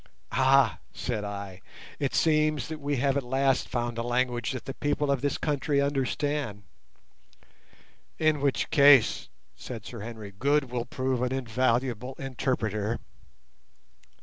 "Ah!" said I. "It seems that we have at last found a language that the people of this country understand." "In which case," said Sir Henry, "Good will prove an invaluable interpreter."